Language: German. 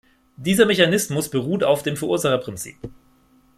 Dieser Mechanismus beruht auf dem Verursacherprinzip.